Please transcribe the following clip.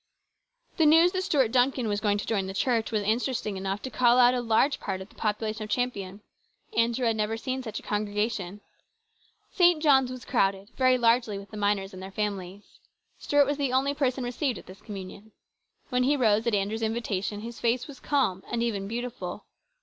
The news that Stuart Duncan was going to join the church was interesting enough to call out a large part of the population of Champion. Andrew had never seen such a congregation. St. John's was crowded, very largely with the miners and their families. Stuart was the only person received at this communion. When he rose at Andrew's invitation, his face was calm and even beautiful.